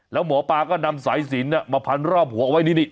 แล้วหมอปาก็นำสายศีลน่ะมาพันรอบหัวไว้นี่นี่